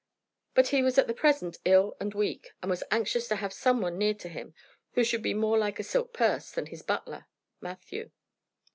But he was at the present ill and weak, and was anxious to have some one near to him who should be more like a silk purse than his butler, Matthew.